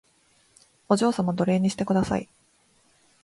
お嬢様奴隷にしてください